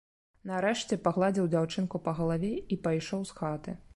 Нарэшце пагладзіў дзяўчынку па галаве і пайшоў з хаты.